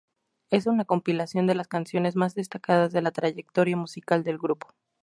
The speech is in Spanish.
Es una compilación de las canciones más destacadas de la trayectoria musical del grupo.